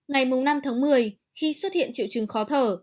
ngày năm tháng một mươi khi xuất hiện triệu chứng khó thở